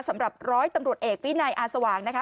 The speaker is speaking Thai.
สำหรับร้อยตำรวจเอกวินัยอาสว่างนะคะ